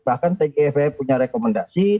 bahkan tgv punya rekomendasi